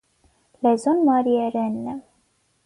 Լեզուն մարիերենն է։